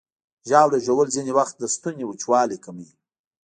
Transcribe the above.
ژاوله ژوول ځینې وخت د ستوني وچوالی کموي.